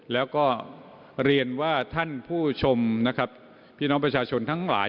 แล้วก็เรียนว่าท่านผู้ชมนะครับพี่น้องประชาชนทั้งหลาย